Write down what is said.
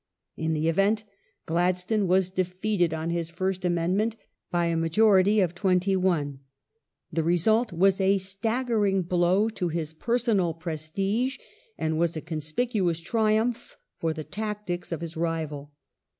In the event, Gladstone was defeated on his first amendment by a majority of twenty one. The result was a staggering blow to his pei sonal prestige and was a conspicuous triumph for the tactics of his rival.